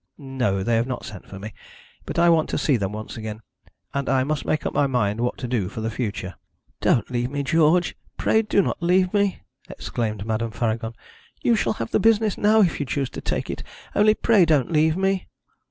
'No, they have not sent for me, but I want to see them once again. And I must make up my mind what to do for the future.' 'Don't leave me, George; pray do not leave me!' exclaimed Madame Faragon. 'You shall have the business now if you choose to take it only pray don't leave me!'